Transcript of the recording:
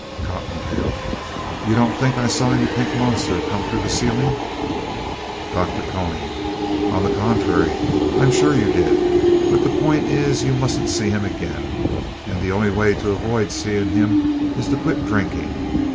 COTTONTAIL You don't think I saw any pink monster come through the ceiling? DR. CONY On the contrary, I'm sure you did. But the point is, you mustn't see him again, and the only way to avoid seeing him is to quit drinking.